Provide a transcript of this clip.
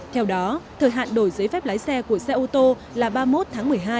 theo đó thời hạn đổi giấy phép lái xe của xe ô tô là ba mươi một tháng một mươi hai